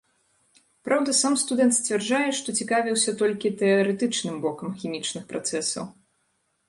Праўда, сам студэнт сцвярджае, што цікавіўся толькі тэарэтычным бокам хімічных працэсаў.